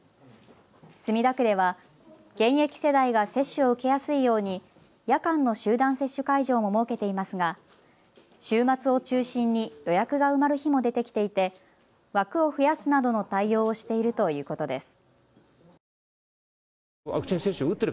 墨田区では現役世代が接種を受けやすいように夜間の集団接種会場も設けていますが週末を中心に予約が埋まる日も出てきていて、枠を増やすなどの対応をしているということです。